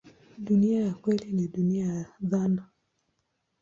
Dunia ya kweli ni dunia ya dhana.